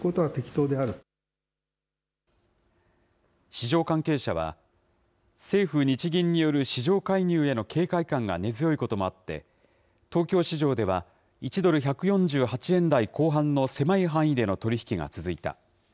市場関係者は、政府・日銀による市場介入への警戒感が根強いこともあって、東京市場では、１ドル１４８円台後半の狭い範囲での取り引きが続いた。